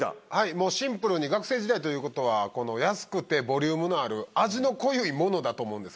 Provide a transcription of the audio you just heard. シンプルに学生時代ということは安くてボリュームのある味の濃ゆいものだと思うんですよね。